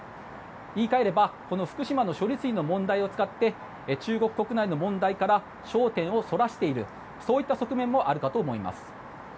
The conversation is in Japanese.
言い換えればこの福島の処理水の問題を使って中国国内の問題から焦点をそらしているそういった側面もあるかと思います。